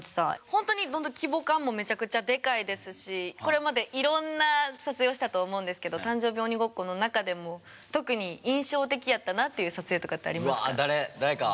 ほんとに規模感もめちゃくちゃでかいですしこれまでいろんな撮影をしたと思うんですけど「誕生日鬼ごっこ」の中でも特に印象的やったなっていう撮影とかってありますか？